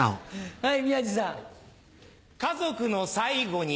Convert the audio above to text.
はい。